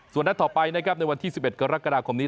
ส่วนนัดต่อไปนะครับในวันที่๑๑กรกฎาคมนี้